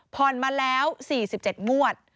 ผ่อนมาแล้ว๔๗มวด